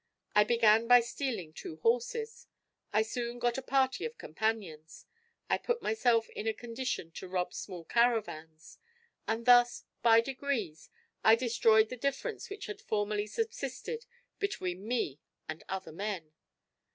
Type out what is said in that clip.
I began by stealing two horses; I soon got a party of companions; I put myself in a condition to rob small caravans; and thus, by degrees, I destroyed the difference which had formerly subsisted between me and other men.